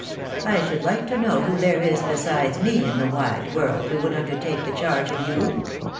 ... I should like to know who there is besides me in the wide world who would undertake the charge of you